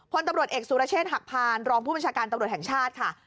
พลตำรวจเอกสุรเชษฐหักพานรองผู้บัญชาการตำรวจแห่งชาติค่ะ